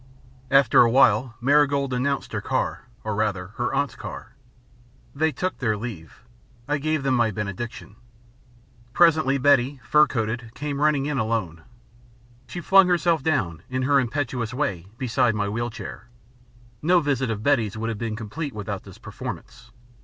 After a while, Marigold announced her car, or, rather, her aunt's car. They took their leave. I gave them my benediction. Presently, Betty, fur coated, came running in alone. She flung herself down, in her impetuous way, beside my wheel chair. No visit of Betty's would have been complete without this performance.